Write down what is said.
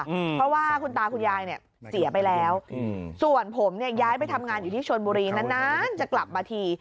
เพราะว่าคุณตาคุณยายเนี่ยเสียไปแล้วอืมส่วนผมเนี่ยย้ายไปทำงานอยู่ที่ชนบุรีนานนานจะกลับมาที